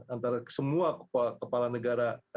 antara semua kepala negara